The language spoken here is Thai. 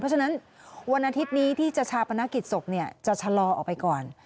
เพราะฉะนั้นวันอาทิตย์นี้ที่จะชาปนกิจศพจะชะลอออกไปก่อน